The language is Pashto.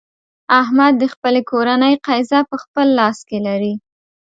احمد د خپلې کورنۍ قېزه په خپل لاس کې لري.